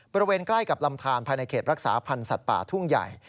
บริเวณใกล้กับลำทานภายในเขตรักษาพันธ์สัตว์ป่าทุ่งใหญ่